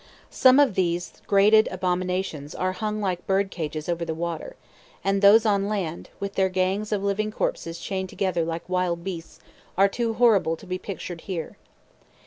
Some of these grated abominations are hung like bird cages over the water; and those on land, with their gangs of living corpses chained together like wild beasts, are too horrible to be pictured here.